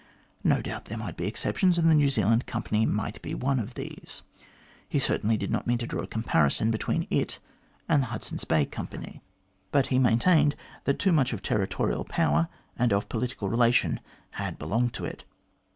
No doubt there might be exceptions, and the New Zealand Company might be one of these. He certainly did not mean to draw a comparison between it and the Hudson's MR GLADSTONE'S TRUE PRINCIPLES OF COLONISATION 221 Bay Company, but he maintained that too much of terri torial power and of political relation had belonged to it.